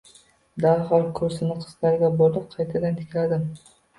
Darhol kursini qismlarga bo`lib, qaytadan tikladim